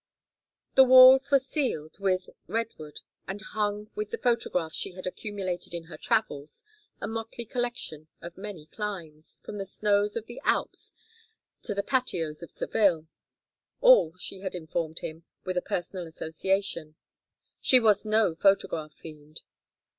The walls were "ceiled" with redwood and hung with the photographs she had accumulated in her travels, a motley collection of many climes, from the snows of the Alps to the patios of Seville; all, she had informed him, with a personal association: "she was no photograph fiend."